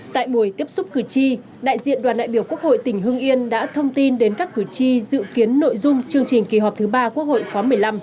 tại buổi tiếp xúc cử tri đại diện đoàn đại biểu quốc hội tỉnh hưng yên đã thông tin đến các cử tri dự kiến nội dung chương trình kỳ họp thứ ba quốc hội khóa một mươi năm